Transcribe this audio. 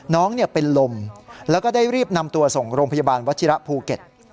น้องเป็นลมแล้วก็ได้รีบนำตัวส่งโรงพยาบาลวัชิระภูเก็ต